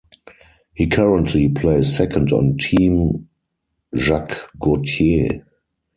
He currently plays second on Team Jacques Gauthier.